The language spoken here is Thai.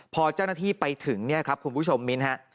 พอเจ้าหน้าที่ไปถึงเนี่ยครับคุณผู้ชมมิ้นฮะ